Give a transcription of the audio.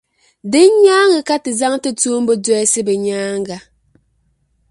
Din nyaaŋa, ka tizaŋ ti tuumba dolsi bɛ nyaaŋa.